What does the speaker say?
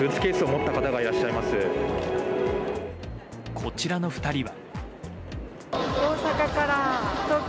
こちらの２人は。